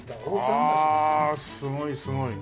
ああすごいすごい！